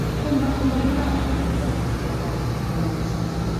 Com va col·laborar amb el Museu Arqueològic llavors?